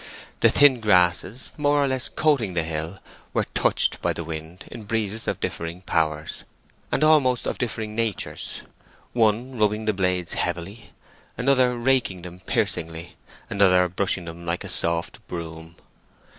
The thin grasses, more or less coating the hill, were touched by the wind in breezes of differing powers, and almost of differing natures—one rubbing the blades heavily, another raking them piercingly, another brushing them like a soft broom.